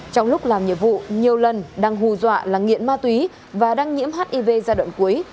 trong lúc làm nhiệm vụ nhiều lần đang hù dọa là nghiện ma túy và đang nhiễm hiv giai đoạn cuối